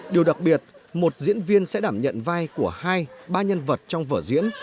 điều đặc biệt một diễn viên sẽ đảm nhận vai của hai ba nhân vật trong vở diễn